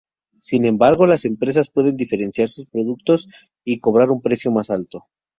Sin embargo, las empresas pueden diferenciar sus productos y cobrar un precio más alto.